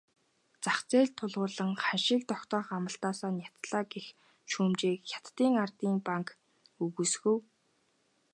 Зах зээлд тулгуурлан ханшийг тогтоох амлалтаасаа няцлаа гэх шүүмжийг Хятадын ардын банк үгүйсгэв.